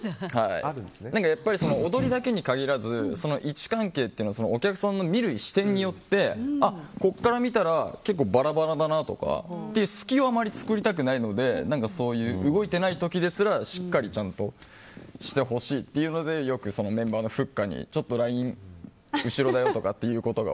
やっぱり踊りだけに限らず位置関係っていうのはお客さんの見る視点によってここから見たら結構バラバラだなとかっていう隙をあまり作りたくないのでそういう動いていない時ですらしっかりちゃんとしてほしいっていうのでよくメンバーのふっかにライン後ろだよとかっていう